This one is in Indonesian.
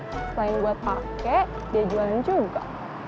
selain buat pakai dia jualan juga